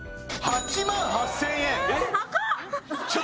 ８万８０００円？